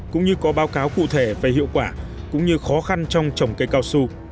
cũng như có báo cáo cụ thể về hiệu quả cũng như khó khăn trong trồng cây cao su